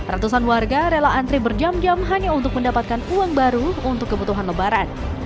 ratusan warga rela antri berjam jam hanya untuk mendapatkan uang baru untuk kebutuhan lebaran